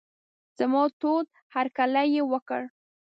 زما تود هرکلی یې وکړ.